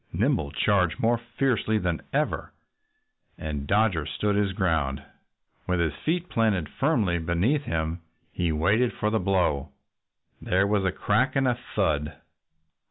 Nimble charged more fiercely than ever. And Dodger stood his ground. With his feet planted firmly beneath him he waited for the blow. There was a crack and a thud.